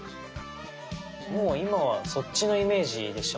もう今はそっちのイメージでしょ？